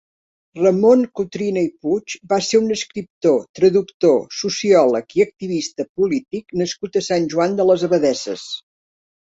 Ramon Cotrina i Puig va ser un escriptor, traductor, sociòleg i activista polític nascut a Sant Joan de les Abadesses.